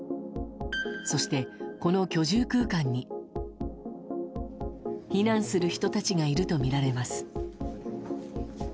そして、この居住空間に避難する人たちがいるとみられます。